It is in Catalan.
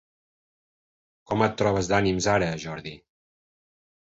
Com et trobes d'ànims ara, Jordi?